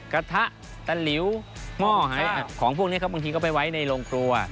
กระทะตะหลิวหม้อของพวกนี้ครับบางทีก็ไปไว้ในโรงครัว